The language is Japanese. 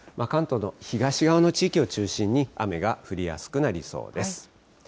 関東の東側の地域を中心に、雨が降りやすくなりそうです。